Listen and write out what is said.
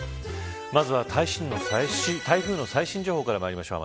まずは台風の最新情報からまいりましょう。